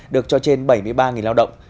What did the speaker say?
được cho trên bảy mươi ba lao động